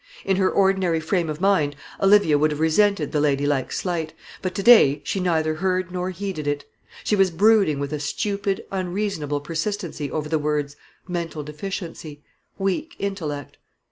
In her ordinary frame of mind Olivia would have resented the ladylike slight, but to day she neither heard nor heeded it; she was brooding with a stupid, unreasonable persistency over the words "mental deficiency," "weak intellect."